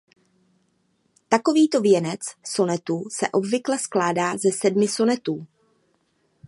Takovýto věnec sonetů se obvykle skládá ze sedmi sonetů.